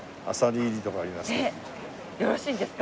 よろしいんですか？